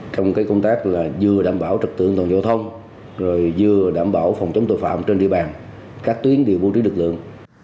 trong cái công tác là vừa đảm bảo trật tựa giao thông rồi vừa đảm bảo phòng chống tội phạm trên địa bàn các tuyến điều bố trí lực lượng